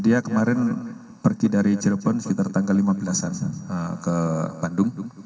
dia kemarin pergi dari cirebon sekitar tanggal lima belas saya ke bandung